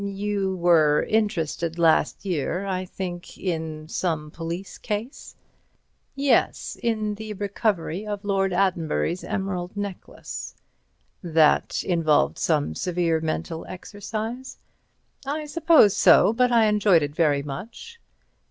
You were interested last year, I think in some police case?" "Yes—in the recovery of Lord Attenbury's emerald necklace." "That involved some severe mental exercise?" "I suppose so. But I enjoyed it very much."